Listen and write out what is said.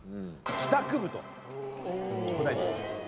帰宅部と答えています。